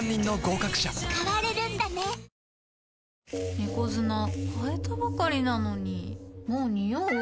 猫砂替えたばかりなのにもうニオう？